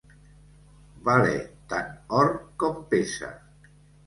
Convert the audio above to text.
Valer tant or com pesa.